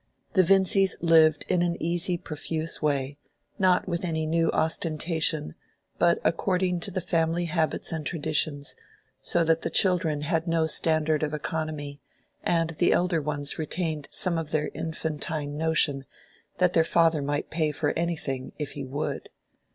The Vincys lived in an easy profuse way, not with any new ostentation, but according to the family habits and traditions, so that the children had no standard of economy, and the elder ones retained some of their infantine notion that their father might pay for anything if he would.